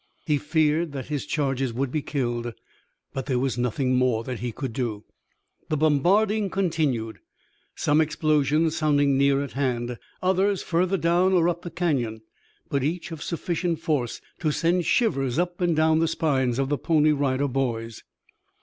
He feared that his charges would be killed, but there was nothing more that he could do. The bombarding continued, some explosions sounding near at hand, others further down or up the Canyon, but each of sufficient force to send shivers up and down the spines of the Pony Rider Boys.